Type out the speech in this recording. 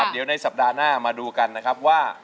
เดี๋ยวในสัปดาห์หน้ามาดูกันนะครับว่า